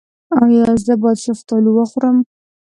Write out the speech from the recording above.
ایا زه باید شفتالو وخورم؟